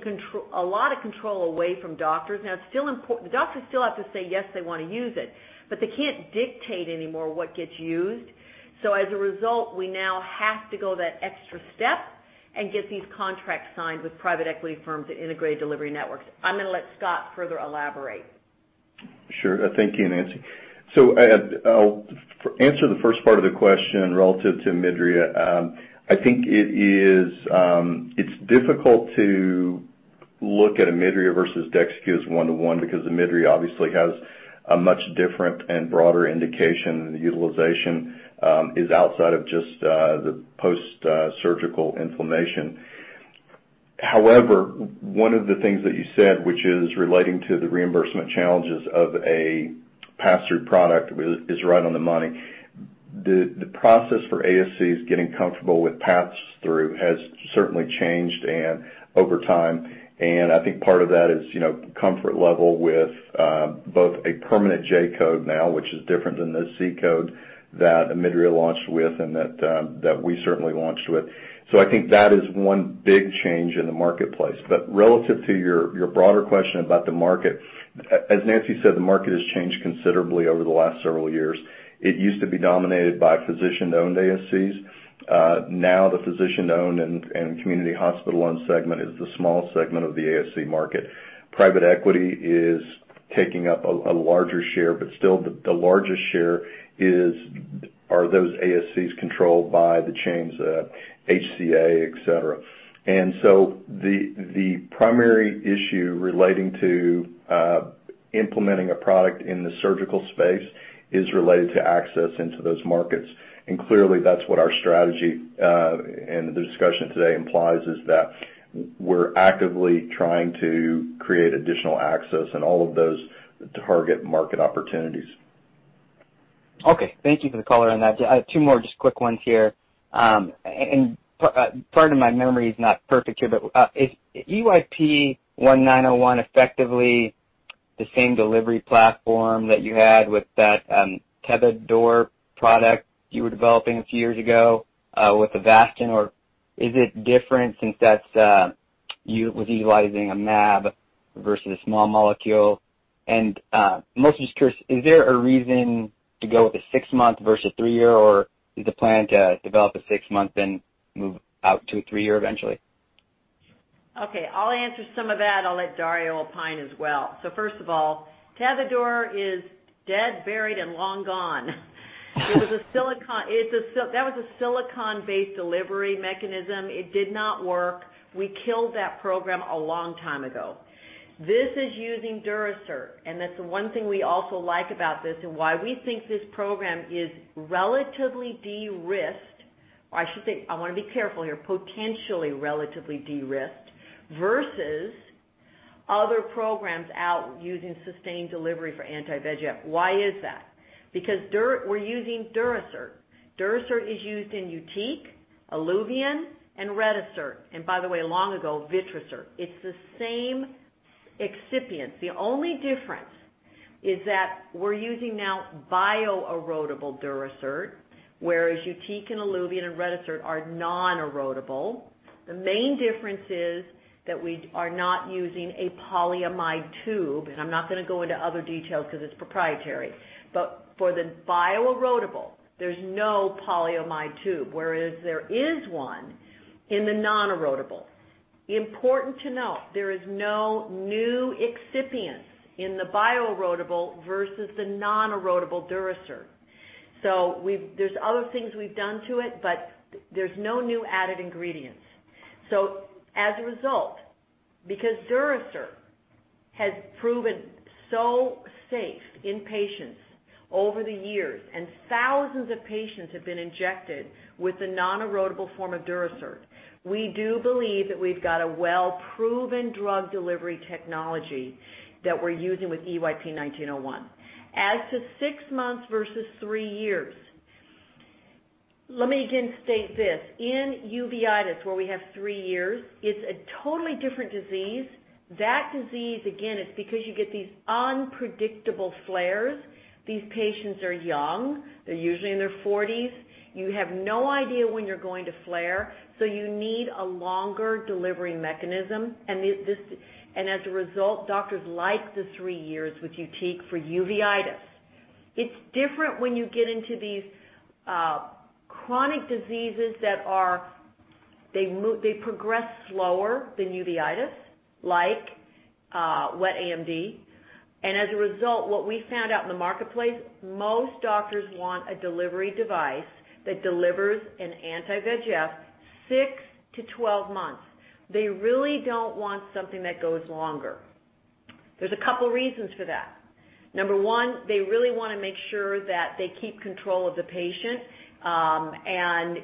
a lot of control away from doctors. The doctors still have to say, yes, they want to use it, but they can't dictate anymore what gets used. As a result, we now have to go that extra step and get these contracts signed with private equity firms to integrate delivery networks. I'm going to let Scott further elaborate. Thank you, Nancy. I'll answer the first part of the question relative to OMIDRIA. I think it's difficult to look at OMIDRIA versus dexamethasone one to one, because OMIDRIA obviously has a much different and broader indication, and the utilization is outside of just the post-surgical inflammation. However, one of the things that you said, which is relating to the reimbursement challenges of a pass-through product, is right on the money. The process for ASCs getting comfortable with pass-through has certainly changed over time, and I think part of that is comfort level with both a permanent J code now, which is different than the C code that OMIDRIA launched with and that we certainly launched with. I think that is one big change in the marketplace. Relative to your broader question about the market, as Nancy said, the market has changed considerably over the last several years. It used to be dominated by physician-owned ASCs. Now the physician-owned and community hospital-owned segment is the smallest segment of the ASC market. Private equity is taking up a larger share, but still the largest share are those ASCs controlled by the chains, HCA, et cetera. The primary issue relating to implementing a product in the surgical space is related to access into those markets. Clearly that's what our strategy, and the discussion today implies, is that we're actively trying to create additional access in all of those target market opportunities. Okay. Thank you for the color on that. I have two more just quick ones here. Pardon, my memory is not perfect here, but is EYP-1901 effectively the same delivery platform that you had with that Tevidor product you were developing a few years ago, with Avastin, or is it different since that was utilizing a mAb versus a small molecule? Mostly just curious, is there a reason to go with a six-month versus a three-year, or is the plan to develop a six-month then move out to a three-year eventually? I'll answer some of that. I'll let Dario opine as well. First of all, Tevidor is dead, buried, and long gone. That was a silicon-based delivery mechanism. It did not work. We killed that program a long time ago. This is using Durasert, that's the one thing we also like about this and why we think this program is relatively de-risked. I should say, I want to be careful here, potentially relatively de-risked versus other programs out using sustained delivery for anti-VEGF. Why is that? Because we're using Durasert. Durasert is used in YUTIQ, ILUVIEN, and Retisert. By the way, long ago, Vitrasert. It's the same excipient. The only difference is that we're using now bioerodible Durasert, whereas YUTIQ and ILUVIEN and Retisert are non-erodible. The main difference is that we are not using a polyamide tube, and I'm not going to go into other details because it's proprietary. For the bioerodible, there's no polyamide tube, whereas there is one in the non-erodible. Important to note, there is no new excipient in the bioerodible versus the non-erodible Durasert. There's other things we've done to it, but there's no new added ingredients. As a result, because Durasert has proven so safe in patients over the years and thousands of patients have been injected with the non-erodible form of Durasert, we do believe that we've got a well-proven drug delivery technology that we're using with EYP-1901. As to six months versus three years, let me again state this. In uveitis, where we have three years, it's a totally different disease. That disease, again, is because you get these unpredictable flares. These patients are young. They're usually in their 40s. You have no idea when you're going to flare, so you need a longer delivery mechanism. As a result, doctors like the three years with YUTIQ for uveitis. It's different when you get into these chronic diseases that progress slower than uveitis, like wet AMD. As a result, what we found out in the marketplace, most doctors want a delivery device that delivers an anti-VEGF 6 - 12 months. They really don't want something that goes longer. There's a couple of reasons for that. Number one, they really want to make sure that they keep control of the patient, and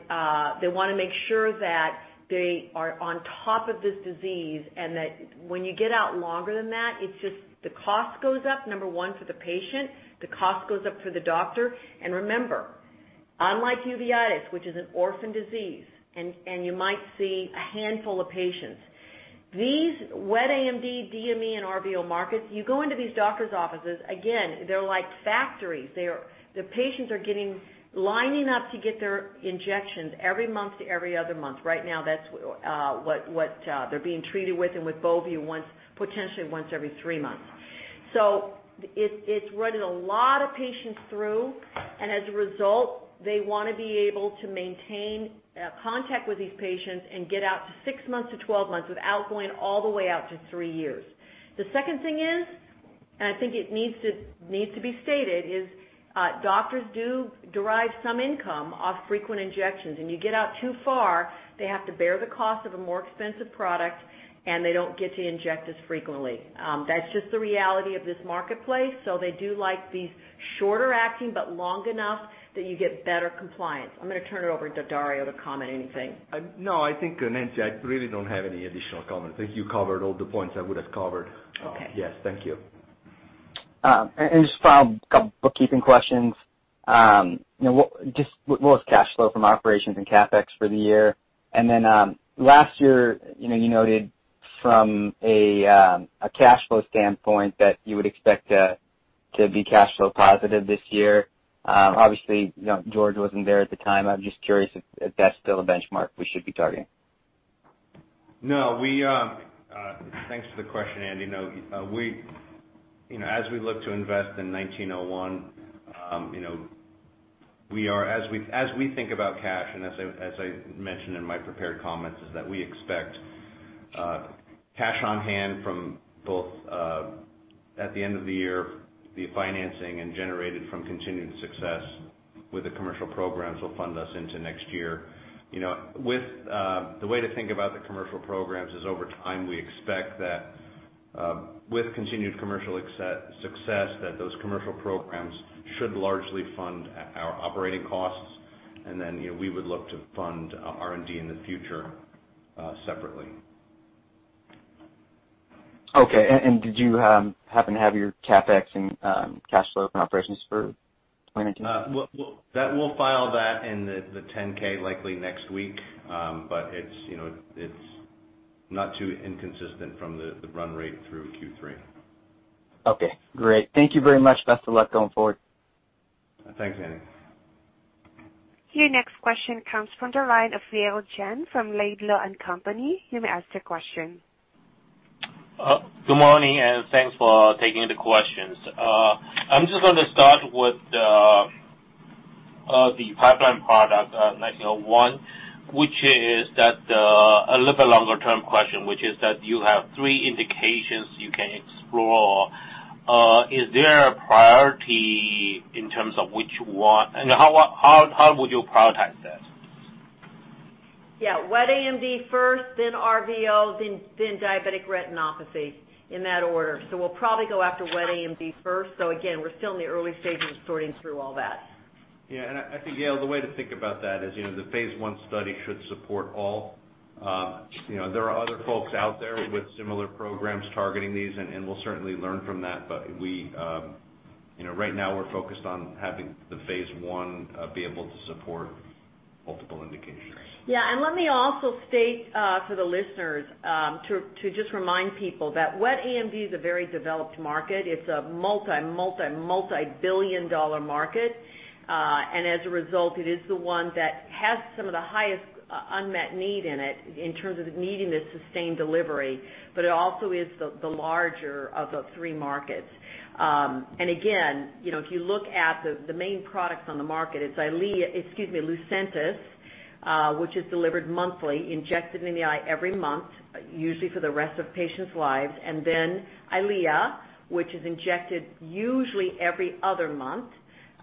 they want to make sure that they are on top of this disease and that when you get out longer than that, the cost goes up, number one, for the patient, the cost goes up for the doctor. Remember, unlike uveitis, which is an orphan disease, and you might see a handful of patients. These wet AMD, DME, and RVO markets, you go into these doctor's offices, again, they're like factories. The patients are lining up to get their injections every month to every other month. Right now, that's what they're being treated with, and with BEOVU potentially once every three months. It's running a lot of patients through, and as a result, they want to be able to maintain contact with these patients and get out to 6 months - 12 months without going all the way out to three years. The second thing is, and I think it needs to be stated, is doctors do derive some income off frequent injections. You get out too far, they have to bear the cost of a more expensive product, and they don't get to inject as frequently. That's just the reality of this marketplace. They do like these shorter acting, but long enough that you get better compliance. I'm going to turn it over to Dario to comment anything. No, I think, Nancy, I really don't have any additional comments. I think you covered all the points I would have covered. Okay. Yes. Thank you. Just follow up, a couple bookkeeping questions. What was cash flow from operations and CapEx for the year? Last year, you noted from a cash flow standpoint that you would expect to be cash flow positive this year. Obviously, George wasn't there at the time. I'm just curious if that's still a benchmark we should be targeting. No. Thanks for the question, Andy. As we look to invest in 1901, as we think about cash, and as I mentioned in my prepared comments, is that we expect cash on hand from both at the end of the year, the financing, and generated from continued success with the commercial programs will fund us into next year. The way to think about the commercial programs is over time, we expect that with continued commercial success, that those commercial programs should largely fund our operating costs. We would look to fund R&D in the future separately. Okay. Did you happen to have your CapEx and cash flow from operations for 2019? We'll file that in the 10-K likely next week. It's not too inconsistent from the run rate through Q3. Okay, great. Thank you very much. Best of luck going forward. Thanks, Andy. Your next question comes from the line of Yi Chen from Laidlaw & Company. You may ask your question. Good morning, thanks for taking the questions. I'm just going to start with the pipeline product, EYP-1901, a little longer-term question, which is that you have three indications you can explore. Is there a priority in terms of which one, how would you prioritize that? Yeah. Wet AMD first, then RVO, then diabetic retinopathy, in that order. We'll probably go after wet AMD first. Again, we're still in the early stages of sorting through all that. Yeah. I think, Yi, the way to think about that is the phase I study should support all. There are other folks out there with similar programs targeting these, and we'll certainly learn from that. Right now we're focused on having the phase I be able to support multiple indications. Yeah. Let me also state to the listeners to just remind people that wet AMD is a very developed market. It's a multi-billion-dollar market. As a result, it is the one that has some of the highest unmet need in it in terms of needing this sustained delivery. It also is the larger of the three markets. Again, if you look at the main products on the market, it's Lucentis, which is delivered monthly, injected in the eye every month, usually for the rest of patients' lives, and then Eylea, which is injected usually every other month.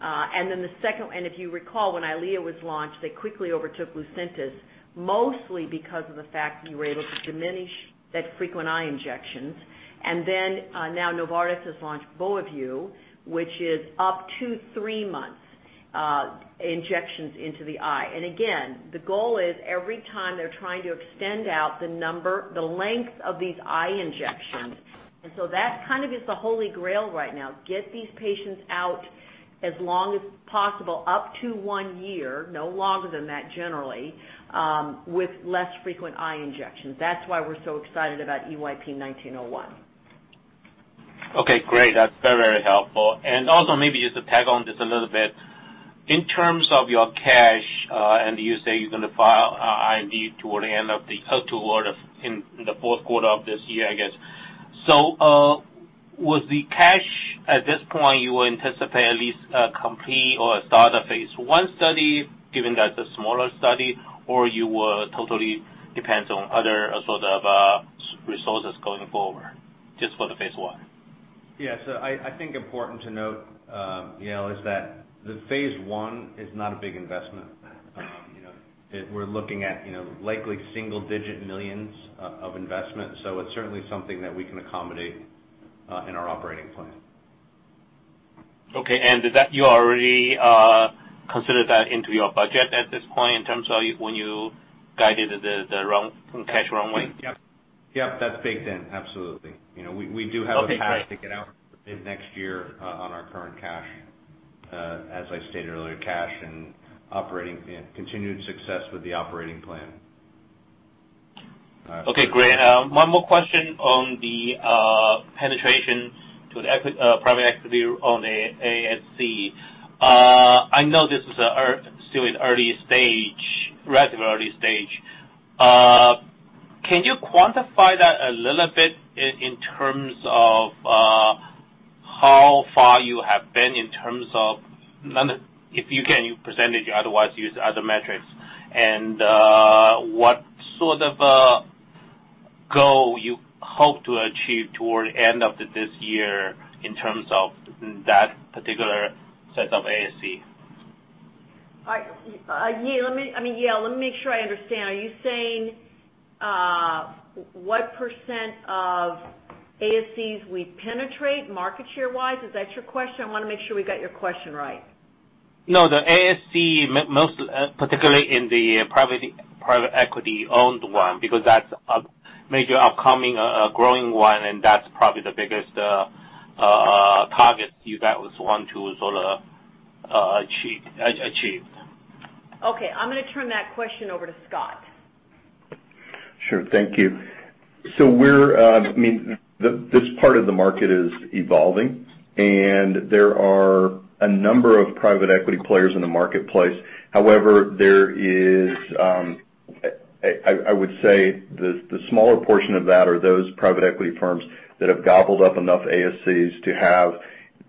If you recall, when Eylea was launched, they quickly overtook Lucentis, mostly because of the fact you were able to diminish that frequent eye injections. Then now Novartis has launched BEOVU, which is up to three months injections into the eye. Again, the goal is every time they're trying to extend out the length of these eye injections. That is the holy grail right now. Get these patients out as long as possible, up to one year, no longer than that generally, with less frequent eye injections. That's why we're so excited about EYP-1901. Okay, great. That's very helpful. Also, maybe just to tag on just a little bit. In terms of your cash, and you say you're going to file IND in the fourth quarter of this year, I guess. With the cash at this point, you anticipate at least a complete or a start of phase I study, given that it's a smaller study, or you will totally depend on other sort of resources going forward just for the phase I? I think important to note, Yi, is that the phase I is not a big investment. We're looking at likely single-digit millions of investment. It's certainly something that we can accommodate in our operating plan. Okay. You already considered that into your budget at this point in terms of when you guided the cash runway? Yep, that's baked in. Absolutely. Okay, great. to get out to mid-next year on our current cash. As I stated earlier, cash and continued success with the operating plan. Okay, great. One more question on the penetration to the private equity on ASC. I know this is still in early stage, relatively early stage. Can you quantify that a little bit in terms of how far you have been in terms of If you can, use percentage, otherwise use other metrics? What sort of goal you hope to achieve toward end of this year in terms of that particular set of ASC? I mean, yeah. Let me make sure I understand. Are you saying what % of ASCs we penetrate market share-wise? Is that your question? I want to make sure we got your question right. No, the ASC, most particularly in the private equity-owned one, because that's a major upcoming growing one, and that's probably the biggest target you guys want to sort of achieve. Okay. I'm going to turn that question over to Scott. Sure. Thank you. This part of the market is evolving, and there are a number of private equity players in the marketplace. However, there is, I would say the smaller portion of that are those private equity firms that have gobbled up enough ASCs to have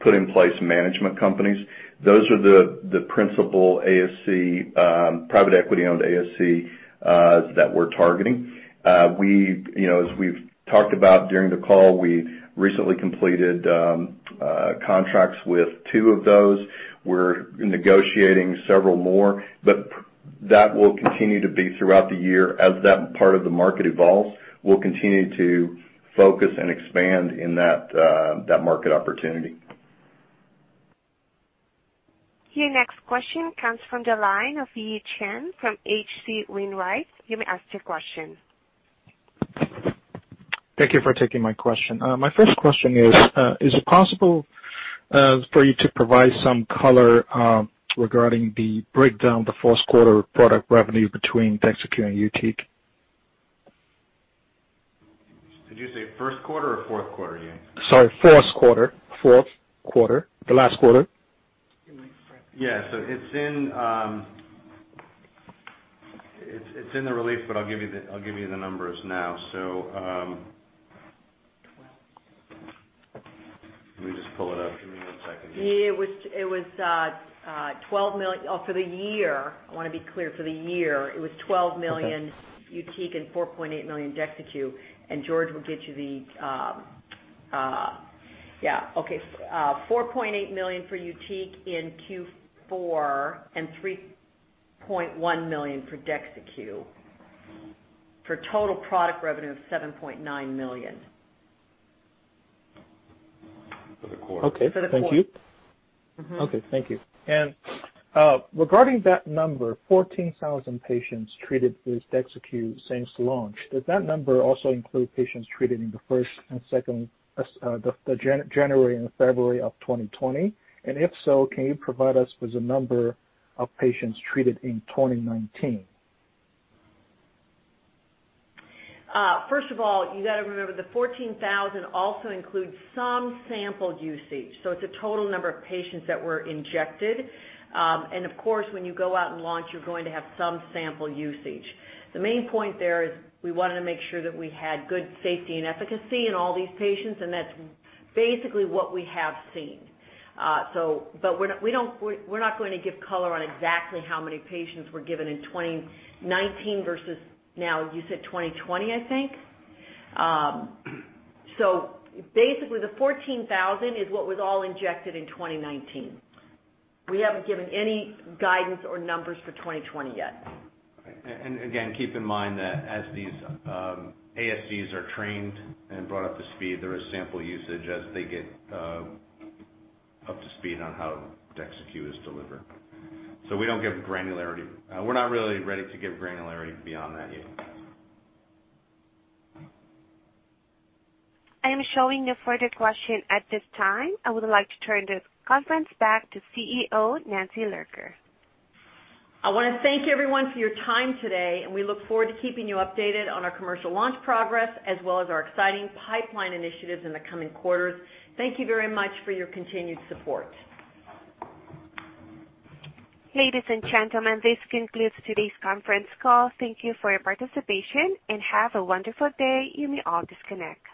put in place management companies. Those are the principal private equity-owned ASC that we're targeting. As we've talked about during the call, we recently completed contracts with two of those. We're negotiating several more, but that will continue to be throughout the year. As that part of the market evolves, we'll continue to focus and expand in that market opportunity. Your next question comes from the line of Yi Chen from H.C. Wainwright. You may ask your question. Thank you for taking my question. My first question is it possible for you to provide some color regarding the breakdown of the Q4 product revenue between DEXYCU and YUTIQ? Did you say Q1 or Q4, Yi? Sorry, Q4. The last quarter. Yeah. It's in the release, but I'll give you the numbers now. Let me just pull it up. Give me one second. Yi, it was for the year. I want to be clear, for the year, it was $12 million YUTIQ and $4.8 million DEXYCU. $4.8 million for YUTIQ in Q4 and $3.1 million for DEXYCU for a total product revenue of $7.9 million. For the quarter. For the quarter. Okay. Thank you. Okay. Thank you. Regarding that number, 14,000 patients treated with DEXYCU since launch. Does that number also include patients treated in the first and second, the January and February of 2020? If so, can you provide us with the number of patients treated in 2019? First of all, you got to remember the 14,000 also includes some sample usage, so it's a total number of patients that were injected. Of course, when you go out and launch, you're going to have some sample usage. The main point there is we wanted to make sure that we had good safety and efficacy in all these patients, and that's basically what we have seen. We're not going to give color on exactly how many patients were given in 2019 versus now. You said 2020, I think? Basically the 14,000 is what was all injected in 2019. We haven't given any guidance or numbers for 2020 yet. Again, keep in mind that as these ASCs are trained and brought up to speed, there is sample usage as they get up to speed on how DEXYCU is delivered. We don't give granularity. We're not really ready to give granularity beyond that yet. I am showing no further question at this time. I would like to turn the conference back to CEO, Nancy Lurker. I want to thank everyone for your time today, and we look forward to keeping you updated on our commercial launch progress as well as our exciting pipeline initiatives in the coming quarters. Thank you very much for your continued support. Ladies and gentlemen, this concludes today's conference call. Thank you for your participation, and have a wonderful day. You may all disconnect.